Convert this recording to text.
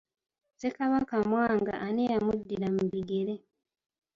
Ssekabaka Mwanga ani yamuddira mu bigere?